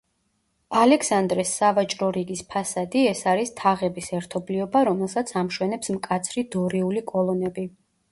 ალექსანდრეს სავაჭრო რიგის ფასადი ეს არის თაღების ერთობლიობა, რომელსაც ამშვენებს მკაცრი დორიული კოლონები.